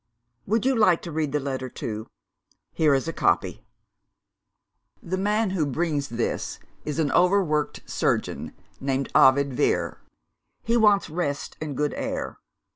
Would you like to read the letter, too? Here is a copy: 'The man who brings this is an overworked surgeon, named Ovid Vere. He wants rest and good air.